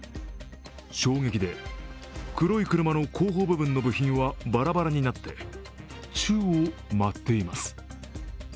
衝撃で黒い車の後方部分の部品はバラバラになって宙を舞っています。